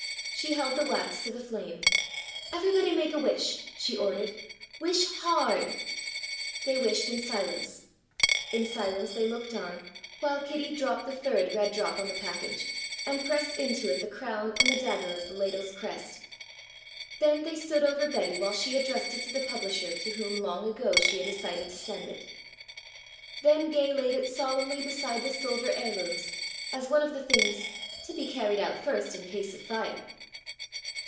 She held the wax to the flame. "Everybody make a wish," she ordered. "Wish hard." They wished in silence. In silence they looked on while Kitty dropped the third red drop on the package and pressed into it the crown and the dagger of the ladle's crest. Then they stood over Betty while she addressed it to the publisher to whom long ago she had decided to send it. Then Gay laid it solemnly beside the silver heirlooms as one of the things "to be carried out first in case of fire."